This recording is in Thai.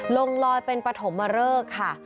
ลอยเป็นปฐมเริกค่ะ